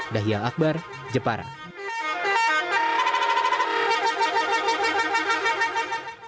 dahil akbar jepara